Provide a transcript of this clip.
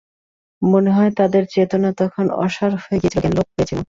মনে হয়, তাঁদের চেতনা তখন অসার হয়ে গিয়েছিল, জ্ঞান লোপ পেয়েছিল।